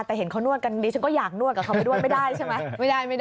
แต่เห็นเขานวดกันดิฉันก็อยากนวดกับเขาไปนวดไม่ได้ใช่ไหม